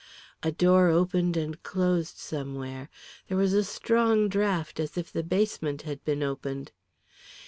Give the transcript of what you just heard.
A door opened and closed somewhere, there was a strong draught as if the basement had been opened.